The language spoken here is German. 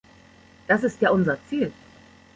Das ist ja unser Ziel.